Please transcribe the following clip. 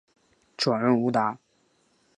转任吴令。